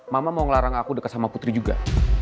mama mau ngelarang aku dekat sama putri juga